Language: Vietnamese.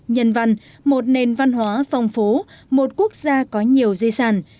nhân văn một nền văn hóa phong phú một quốc gia có nhiều dây sàn